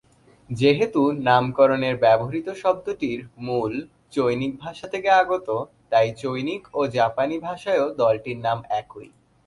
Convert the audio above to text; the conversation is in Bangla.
যেহেতু নামকরণের ব্যবহৃত শব্দটির মূল চৈনিক ভাষা থেকে আগত, তাই চৈনিক ও জাপানি ভাষায়ও দলটির নাম একই।